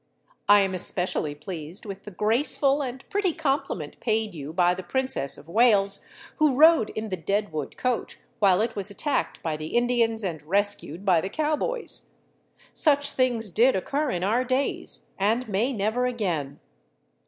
I am especially pleased with the graceful and pretty compliment paid you by the Princess of Wales, who rode in the Deadwood coach while it was attacked by the Indians and rescued by the cowboys. Such things did occur in our days, and may never again.